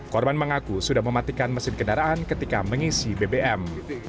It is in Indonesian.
korban mengaku sudah mematikan mesin kendaraan ketika mengisi bbm